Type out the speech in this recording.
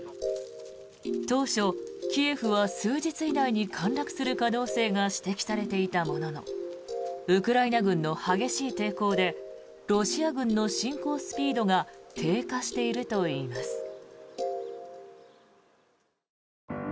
当初、キエフは数日以内に陥落する可能性が指摘されていたもののウクライナ軍の激しい抵抗でロシア軍の侵攻スピードが低下しているといいます。